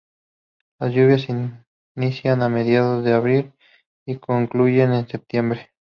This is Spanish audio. Las lluvias inician a mediados de abril y concluyen en septiembre.